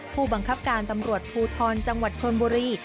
ผู้บังคับการตำรวจภูทรจังหวัดชนบุรี